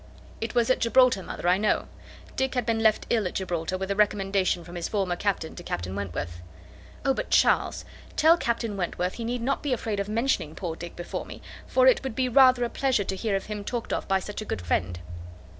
"It was at Gibraltar, mother, I know. Dick had been left ill at Gibraltar, with a recommendation from his former captain to Captain Wentworth." "Oh! but, Charles, tell Captain Wentworth, he need not be afraid of mentioning poor Dick before me, for it would be rather a pleasure to hear him talked of by such a good friend."